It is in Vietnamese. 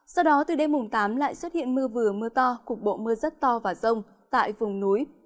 sau đó từ đêm mùng tám lại xuất hiện mưa vừa mưa to cục bộ mưa rất to và rông tại vùng núi